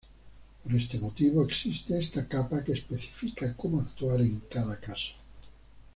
Por este motivo existe esta capa que especifica cómo actuar en cada caso.